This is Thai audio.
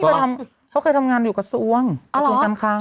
เขาเคยทำงานอยู่กับส่วงกันครั้ง